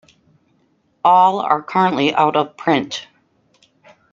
All are currently out of print.